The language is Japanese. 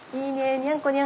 にゃんこにゃんこ。